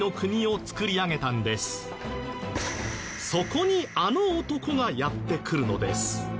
そこにあの男がやって来るのです。